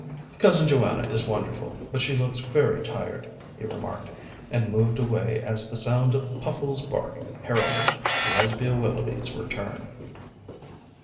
"Cousin Joanna is wonderful, but she looks very tired," he remarked, and moved away as the sound of Puffles's bark heralded Lesbia Willoughby's return.